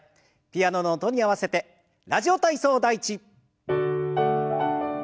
ピアノの音に合わせて「ラジオ体操第１」。